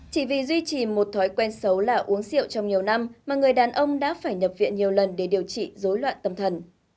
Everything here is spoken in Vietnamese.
chỉ vì duy trì một thói quen xấu là uống rượu trong nhiều năm mà người đàn ông đã phải nhập viện nhiều lần để điều trị dối loạn tâm thần